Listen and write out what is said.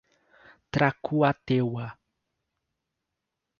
Tracuateua